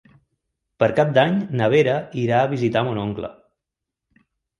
Per Cap d'Any na Vera irà a visitar mon oncle.